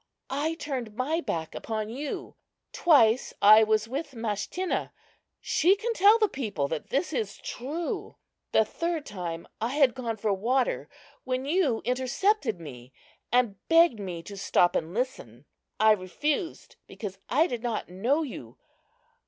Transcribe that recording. I turned my back upon you. Twice I was with Mashtinna. She can tell the people that this is true. The third time I had gone for water when you intercepted me and begged me to stop and listen. I refused because I did not know you.